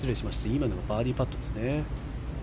今のがバーディーパットですね。